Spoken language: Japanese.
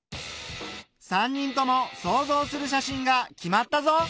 ３人とも想像する写真が決まったぞ。